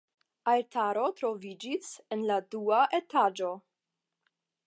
Altaro troviĝis en la dua etaĝo.